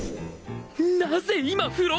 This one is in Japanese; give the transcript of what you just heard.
なぜ今風呂！？